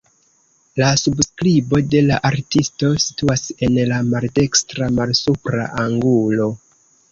La subskribo de la artisto situas en la maldekstra malsupra angulo.